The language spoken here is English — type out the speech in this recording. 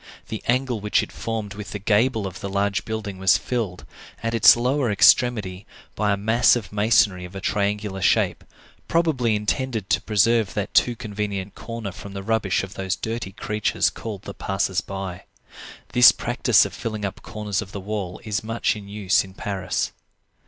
The angle which it formed with the gable of the large building was filled, at its lower extremity, by a mass of masonry of a triangular shape, probably intended to preserve that too convenient corner from the rubbish of those dirty creatures called the passers by. This practice of filling up corners of the wall is much in use in Paris.